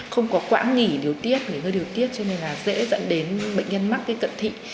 không có quãng nghỉ điều tuyết nghỉ ngơi điều tuyết cho nên là dễ dẫn đến bệnh nhân mắc cận thị